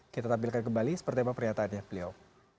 kita tampilkan kembali seperti apa pernyataannya beliau